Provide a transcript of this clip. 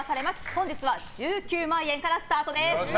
本日は１９万円からスタートです。